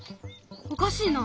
おかしいな。